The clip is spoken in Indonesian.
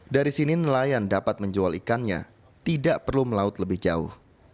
dari sini nelayan dapat menjual ikannya tidak perlu melaut lebih jauh